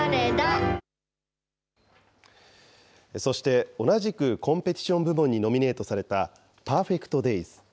そして、同じくコンペティション部門にノミネートされた、ＰＥＲＦＥＣＴＤＡＹＳ。